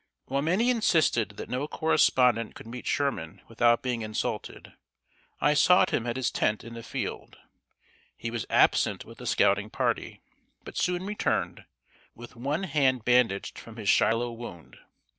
While many insisted that no correspondent could meet Sherman without being insulted, I sought him at his tent in the field; he was absent with a scouting party, but soon returned, with one hand bandaged from his Shiloh wound.